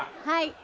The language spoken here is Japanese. はい。